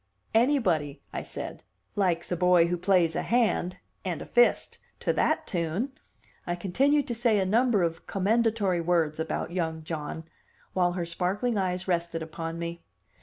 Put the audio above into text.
"Anybody," I said, "likes a boy who plays a hand and a fist to that tune." I continued to say a number of commendatory words about young John, while her sparkling eyes rested upon me.